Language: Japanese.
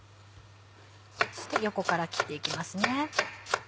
そして横から切っていきます。